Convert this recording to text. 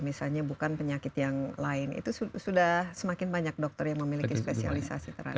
misalnya bukan penyakit yang lain itu sudah semakin banyak dokter yang memiliki spesialisasi terhadap